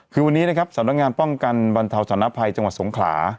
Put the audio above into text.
คือวันนี้นะครับสำนักงานป้องกันบรรเทาสถานภัยจังหวัดสงขลา